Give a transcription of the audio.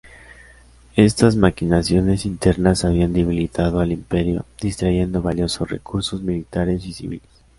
Estas maquinaciones internas habían debilitado al Imperio distrayendo valiosos recursos militares y civiles.